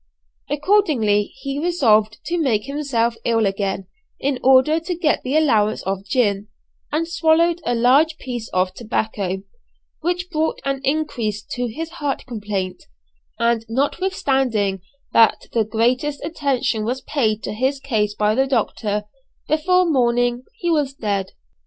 Accordingly he resolved to make himself ill again, in order to get the allowance of gin, and swallowed a large piece of tobacco, which brought an increase to his heart complaint; and notwithstanding that the greatest attention was paid to his case by the doctor, before morning he was dead.